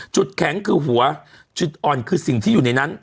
จุดแข็งคือหัวจุดอ่อนคือสิ่งที่อยู่ในนั้น